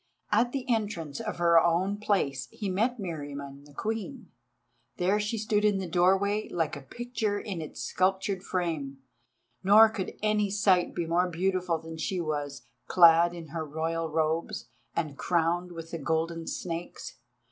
At the entrance of her own place he met Meriamun the Queen. There she stood in the doorway like a picture in its sculptured frame, nor could any sight be more beautiful than she was, clad in her Royal robes, and crowned with the golden snakes.